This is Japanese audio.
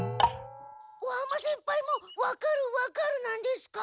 尾浜先輩も「わかるわかる」なんですか？